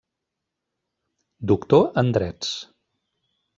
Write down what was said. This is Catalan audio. Doctor en drets.